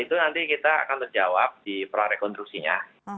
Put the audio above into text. itu nanti kita akan terjawab di prarekonstruksinya